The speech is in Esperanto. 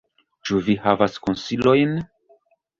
Ĉu vi havas konsilojn?